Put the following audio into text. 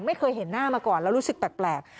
ไม่เคยเห็นหน้ามาก่อนแล้วรู้สึกแปลก